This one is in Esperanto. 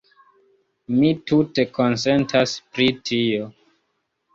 Mi tute konsentas pri tio.